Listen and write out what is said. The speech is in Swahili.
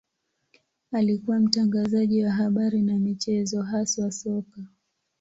Alikuwa mtangazaji wa habari na michezo, haswa soka.